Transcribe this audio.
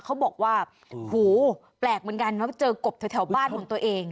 อื้อวหูวแปลกเหมือนกันมาว่าเจอกบแถวบ้านของตัวเอง